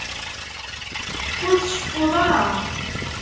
Ur tceffuḍ ara.